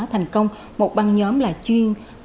thành công một băng nhóm là chuyên